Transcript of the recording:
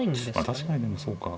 確かにでもそうか。